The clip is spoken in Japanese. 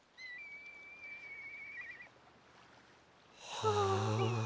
はあ。